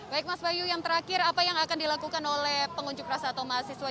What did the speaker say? baik mas bayu yang terakhir apa yang akan dilakukan oleh pengunjuk rasa atau mahasiswa